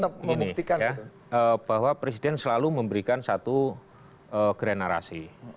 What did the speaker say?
tapi yang penting ini ya bahwa presiden selalu memberikan satu grand narasi